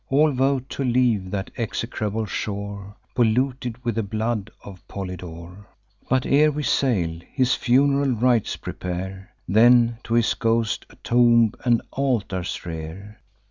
All vote to leave that execrable shore, Polluted with the blood of Polydore; But, ere we sail, his fun'ral rites prepare, Then, to his ghost, a tomb and altars rear.